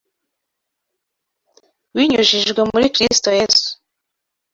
Binyujijwe muri Kristo yesu